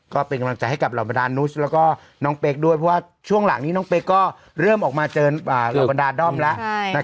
ก็เป็นกำลังใจให้กับเหล่าบรรดานุสแล้วก็น้องเป๊กด้วยเพราะว่าช่วงหลังนี้น้องเป๊กก็เริ่มออกมาเจอเหล่าบรรดาด้อมแล้ว